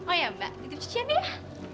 oh ya mbak ditip cucian ya